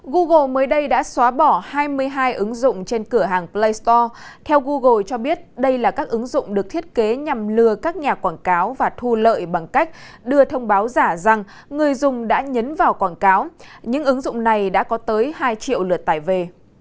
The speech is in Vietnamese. google mới đây đã xóa bỏ hai mươi hai ứng dụng trên cửa hàng play store theo google cho biết đây là các ứng dụng được thiết kế nhằm lừa các nhà quảng cáo và thu lợi bằng cách đưa thông báo giả rằng người dùng đã nhấn vào quảng cáo những ứng dụng này đã có tới hai triệu lượt tải về